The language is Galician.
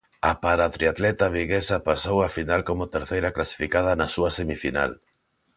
A paratriatleta viguesa pasou a final como terceira clasificada na súa semifinal.